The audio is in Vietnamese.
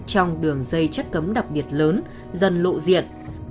trong đường dây chất cấm đặc biệt lớn dần lộ diện